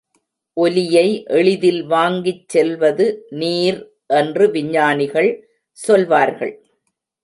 ஒலியை எளிதில் வாங்கிச் செல்வது நீர் என்று விஞ்ஞானிகள் சொல்வார்கள்.